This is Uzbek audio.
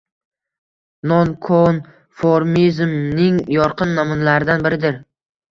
nonkonformizmning yorqin namunalaridan biridir.